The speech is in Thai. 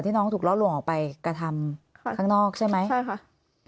น้องถูกล่อลวงออกไปกระทำข้างนอกใช่ไหมใช่ค่ะ